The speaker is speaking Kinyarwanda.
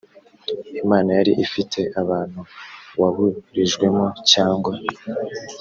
imana yari ifitiye abantu waburijwemo cyangwa